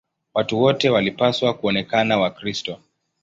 Watu wote walipaswa kuonekana Wakristo.